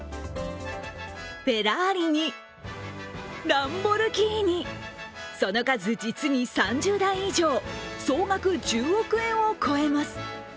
フェラーリにランボルギーニ、その数、実に３０代以上、総額１０億円を超えます。